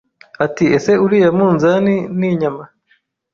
ati ese uriya munzani n'inyama